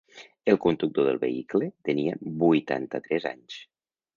El conductor del vehicle tenia vuitanta-tres anys.